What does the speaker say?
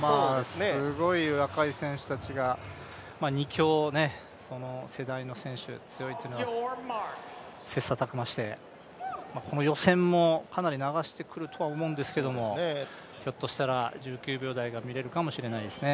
すごい若い選手たちが、２強、その世代の選手強いというのは切磋琢磨して、この予選もかなり流してくるとは思うんですけども、ひょっとしたら１９秒台が見れるかもしれないですね。